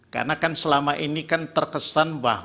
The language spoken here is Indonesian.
karena kan selama ini kan terkesan bahwa